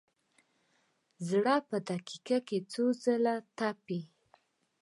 زړه په دقیقه کې څو ځله تپي.